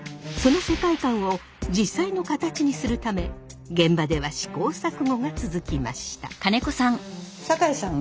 その世界観を実際の形にするため現場では試行錯誤が続きました。